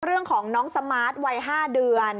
เรื่องของน้องสมาร์ทวัย๕เดือน